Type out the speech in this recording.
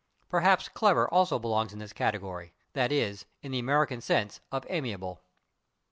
Perhaps /clever/ also belongs to this category, that is, in the American sense of amiable.